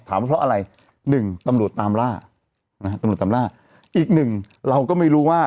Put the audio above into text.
ถามว่าเพราะอะไรหนึ่งตำรวจตามล่าอีกหนึ่งเราก็ไม่รู้ว่า